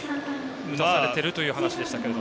打たされているという話でしたけど。